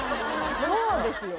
そうですよね